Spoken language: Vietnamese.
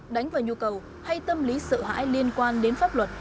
đánh vào nhu cầu hay tâm lý sợ hãi liên quan đến pháp luật